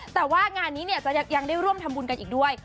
แต่ว่างานนี้เนี่ยจะยังได้ร่วมทำบุญกันอีกด้วย